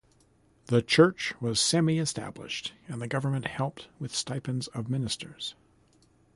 The church was semi-established, and the government helped with stipends of ministers.